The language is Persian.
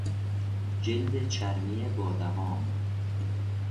جلد چرمی با دوام